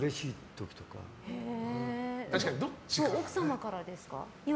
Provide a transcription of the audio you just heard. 奥様からですか？